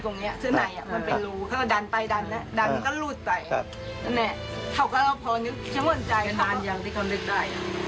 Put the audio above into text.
ตั้งแต่เราพอนึกชะมนต์ใจป้านอย่างที่เขาเรียกได้